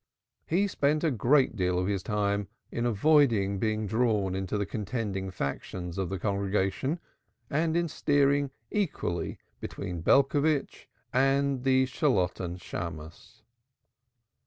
He spent a great deal of his time in avoiding being drawn into the contending factions of the congregation and in steering equally between Belcovitch and the Shalotten Shammos.